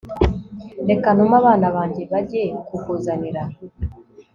reka ntume abana banjye bajye kukuzanira»